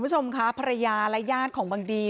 คุณผู้ชมค่ะภรรยาและญาติของบังดี